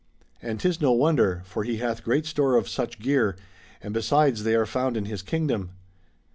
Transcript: And 'tis no wonder; for he hath great store of such gear; and besides they are found in his kingdom.